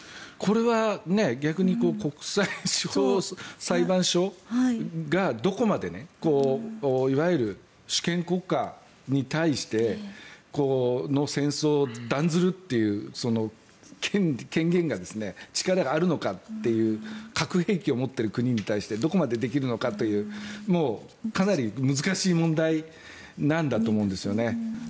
これは逆に国際司法裁判所がどこまで、いわゆる主権国家に対しての戦争を断ずるという権限が力があるのかという核兵器を持っている国に対してどこまでできるのかというかなり難しい問題なんだと思うんですよね。